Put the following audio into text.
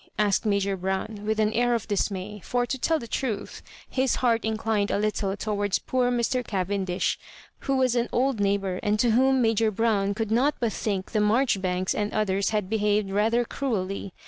asked Major Brown, with an air of dismay ; for, to tell the truth, his heart inclined a little towards poor Mr. Cavendish, who was an old neighbour, and to whom Major Brown could not but think the Maijoribanks and others had behaved rather cruelly.